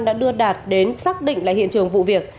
đã đưa đạt đến xác định lại hiện trường vụ việc